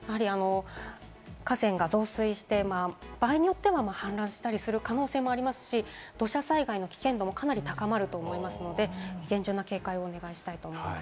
河川が増水して、場合によっては氾濫したりする可能性もありますし、土砂災害の危険度もかなり高まると思いますので、厳重な警戒をお願いしたいと思います。